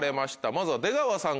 まずは出川さん